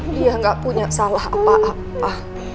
dia nggak punya salah apa apa